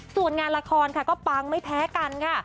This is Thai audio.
ส่วนงานละครค่ะก็ปังไม่แพ้กันค่ะ